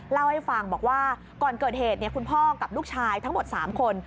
เล่าให้ฟังบอกว่าก่อนเกิดเหตุคุณพ่อกับลูกชายทั้งหมด๓คน